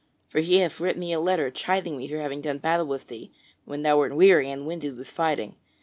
For he hath writ me a letter chiding me for having done battle with thee when thou wert weary and winded with fighting.